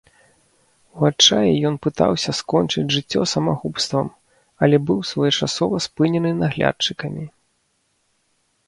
У адчаі ён пытаўся скончыць жыццё самагубствам, але быў своечасова спынены наглядчыкамі.